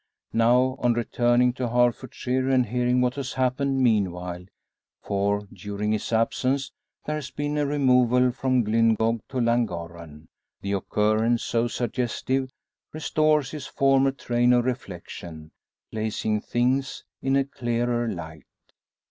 Now, on returning to Herefordshire, and hearing what has happened meanwhile for during his absence there has been a removal from Glyngog to Llangorren the occurrence, so suggestive, restores his former train of reflection, placing things in a clearer light.